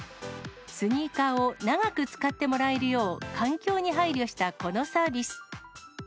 スニーカーを長く使ってもらえるよう、環境に配慮した、このサービス。